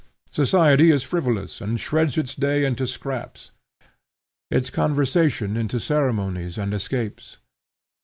Society is frivolous, and shreds its day into scraps, its conversation into ceremonies and escapes.